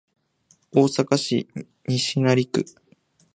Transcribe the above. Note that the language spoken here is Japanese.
大阪市西成区